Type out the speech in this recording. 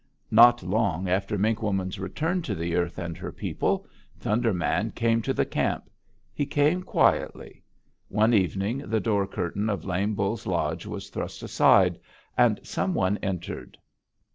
"Not long after Mink Woman's return to the earth and her people, Thunder Man came to the camp. He came quietly. One evening the door curtain of Lame Bull's lodge was thrust aside, and some one entered.